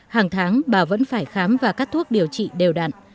hàng tháng bà vẫn phải khám và cắt thuốc điều trị đều đặn